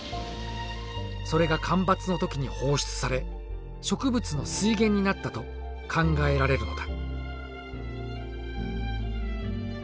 それが干ばつの時に放出され植物の水源になったと考えられるのだ。